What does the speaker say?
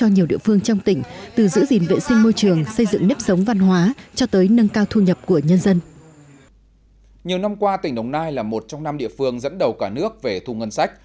nhiều năm qua tỉnh đồng nai là một trong năm địa phương dẫn đầu cả nước về thu ngân sách